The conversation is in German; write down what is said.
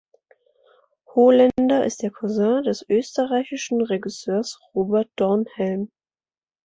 Holender ist der Cousin des österreichischen Regisseurs Robert Dornhelm.